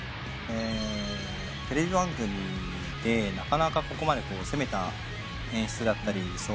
テレビ番組でなかなかここまで攻めた演出だったり照明だったり。